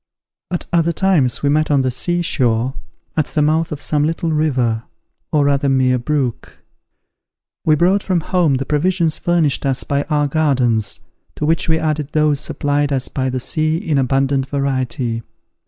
At other times we met on the sea shore, at the mouth of some little river, or rather mere brook. We brought from home the provisions furnished us by our gardens, to which we added those supplied us by the sea in abundant variety.